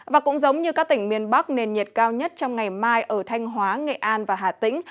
và cũng giống như các tỉnh miền bắc nền nhiệt cao nhất trong ngày mai ở thanh hóa nghệ an và hà tĩnh